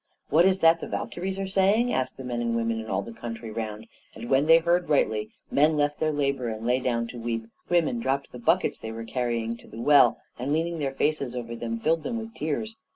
"What is that the Valkyries are saying?" asked the men and women in all the country round, and when they heard rightly, men left their labor and lay down to weep women dropped the buckets they were carrying to the well, and, leaning their faces over them, filled them with tears.